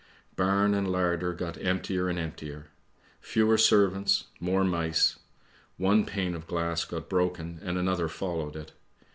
" Barn and larder got emptier and emptier. Fewer servants; more mice. One pane of glass got broken and another followed it.